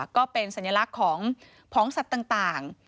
ก็เป็นสัญลักษณ์ของผองสัตว์ต่าง